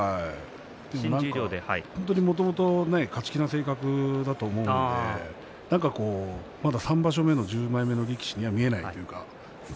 もともと勝ち気な性格だと思うのでまだ３場所目の十枚目の力士には見えないというか。